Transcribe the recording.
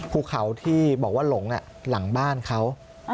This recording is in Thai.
ภูเขาที่บอกว่าหลงหลังบ้านเขา